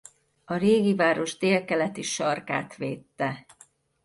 A régi város délkeleti sarkát védte.